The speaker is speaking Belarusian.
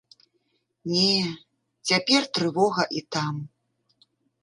Не, цяпер трывога і там.